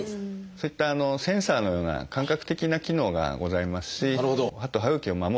そういったセンサーのような感覚的な機能がございますし歯と歯ぐきを守るですね